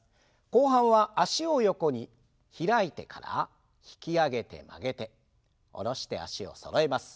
後半は脚を横に開いてから引き上げて曲げて下ろして脚をそろえます。